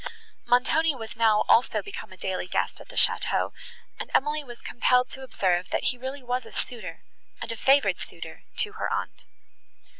Montoni was now also become a daily guest at the château, and Emily was compelled to observe, that he really was a suitor, and a favoured suitor, to her aunt.